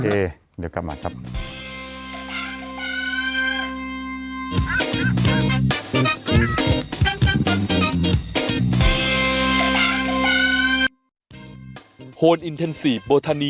โอเคเดี๋ยวกลับมาตาม